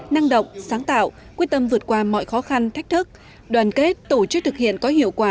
năng động sáng tạo quyết tâm vượt qua mọi khó khăn thách thức đoàn kết tổ chức thực hiện có hiệu quả